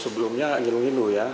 sebelumnya ngilu ngilu ya